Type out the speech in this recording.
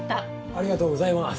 ありがとうございます！